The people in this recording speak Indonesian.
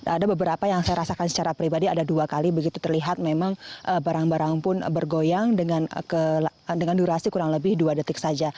ada beberapa yang saya rasakan secara pribadi ada dua kali begitu terlihat memang barang barang pun bergoyang dengan durasi kurang lebih dua detik saja